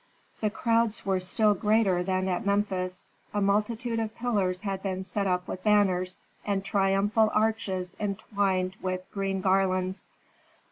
The crowds were still greater than at Memphis. A multitude of pillars had been set up with banners and triumphal arches entwined with green garlands.